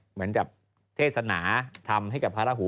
เหมือนกับเทศนาทำให้กับพระราหู